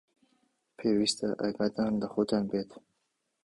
پێویستە ئاگاتان لە خۆتان بێت.